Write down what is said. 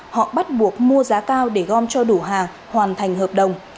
họ bắt buộc mua giá cao để gom cho đủ hàng hoàn thành hợp đồng